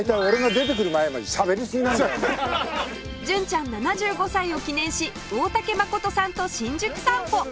純ちゃん７５歳を記念し大竹まことさんと新宿散歩！